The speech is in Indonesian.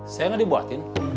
saya nggak dibuatin